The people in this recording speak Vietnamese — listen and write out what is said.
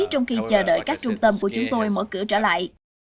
trong khi chờ đợi các trung tâm của chúng tôi mở cửa trở lại